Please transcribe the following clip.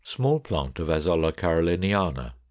Small plant of Azolla Caroliniana.